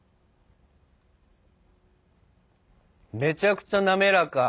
めちゃくちゃ滑らか。